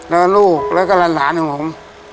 แล้วลูกแล้วก็หลานของผม